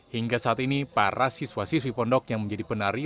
hingga saat ini para siswa siswi pondok yang menjadi penari